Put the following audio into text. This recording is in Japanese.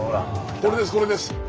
これですこれです。